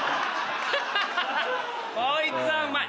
こいつはうまい。